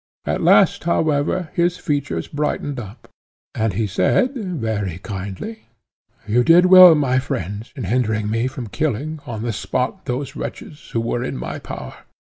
At last, however, his features brightened up, and he said, very kindly, "You did well, my friends, in hindering me from killing, on the spot, those wretches, who were in my power.